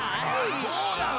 そうなの？